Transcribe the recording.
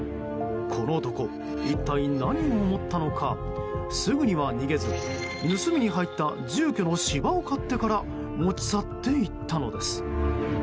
この男、一体何を思ったのかすぐには逃げず盗みに入った住居の芝を刈ってから持ち去っていったのです。